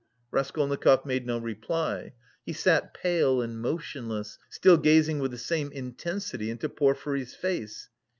Raskolnikov made no reply; he sat pale and motionless, still gazing with the same intensity into Porfiry's face.